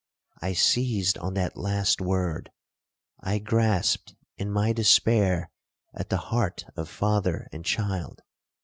I seized on that last word—I grasped, in my despair, at the heart of father and child.